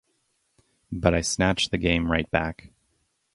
But I snatch the game right back.